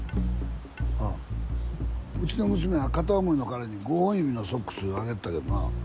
あっうちの娘は片思いの彼に五本指のソックスあげてたけどな。